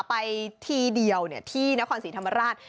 ไปทีเดียวที่นครศรีธรรมราช